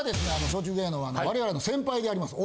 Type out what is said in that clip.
松竹芸能は我々の先輩であります